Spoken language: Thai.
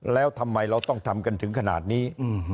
แล้วทำไมเราต้องทำกันถึงขนาดนี้